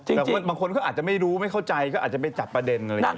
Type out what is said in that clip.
บางคนเขาอาจจะไม่รู้ไม่เข้าใจก็อาจจะไปจับประเด็นอะไรอย่างนี้